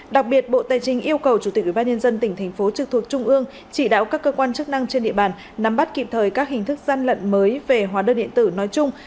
đặc biệt bộ tài chính yêu cầu chủ tịch ubnd tỉnh thành phố trực thuộc trung ương chỉ đạo các cơ quan chức năng trên địa bàn nắm bắt kịp thời các hình thức gian lận mới về hóa đơn điện tử nói chung